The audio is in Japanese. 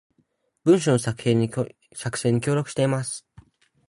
文章の作成に協力しています